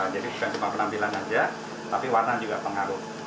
jadi bukan cuma penampilan saja tapi warna juga pengaruh